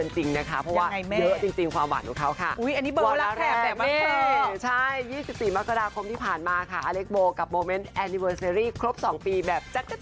สิบสี่กุมภาวันวาเลนทรา